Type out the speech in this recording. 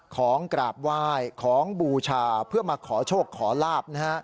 ของกราบไหว้ของบูชาเพื่อมาขอโชคขอลาบนะฮะ